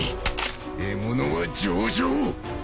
獲物は上々！